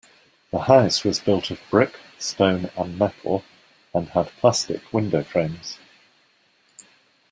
The house was built of brick, stone and metal, and had plastic window frames.